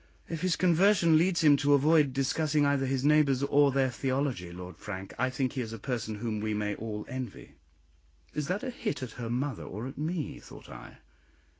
"If his conversion leads him to avoid discussing either his neighbours or their theology, Lord Frank, I think he is a person whom we may all envy." Is that a hit at her mother or at me? thought I.